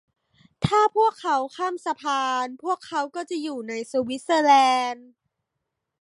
ถ้าพวกเขาข้ามสะพาน พวกเขาก็จะอยู่ในสวิสเซอร์แลนด์